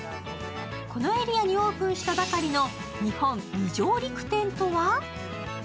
このエリアにオープンしたばかりの日本未上陸店とは？